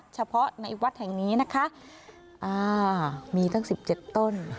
เฉพาะในวัดแห่งนี้นะคะอ่ามีตั้งสิบเจ็ดต้น